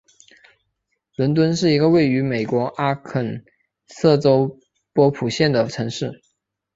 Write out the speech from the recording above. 伦敦是一个位于美国阿肯色州波普县的城市。